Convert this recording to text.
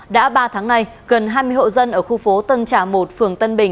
đã ba tháng nay gần hai mươi hộ dân ở khu phố tân trà một phường tân bình